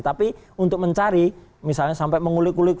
tapi untuk mencari misalnya sampai mengulik ulik